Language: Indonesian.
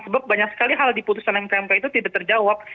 sebab banyak sekali hal di putusan mkmk itu tidak terjawab